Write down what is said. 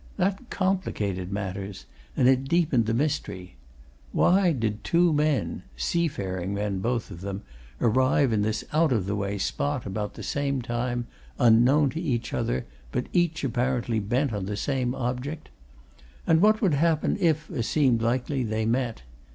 That complicated matters, and it deepened the mystery. Why did two men seafaring men, both of them arrive in this out of the way spot about the same time, unknown to each other, but each apparently bent on the same object? And what would happen if, as seemed likely, they met?